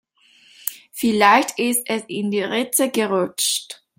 Vielleicht ist es in die Ritze gerutscht.